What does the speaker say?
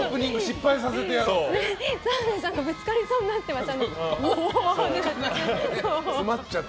澤部さんがぶつかりそうになってました。